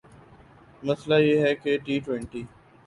مسئلہ یہ ہے کہ ٹی ٹؤنٹی